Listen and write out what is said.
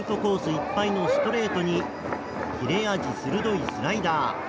いっぱいのストレートに切れ味鋭いスライダー。